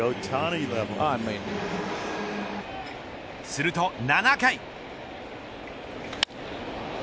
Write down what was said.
すると７回。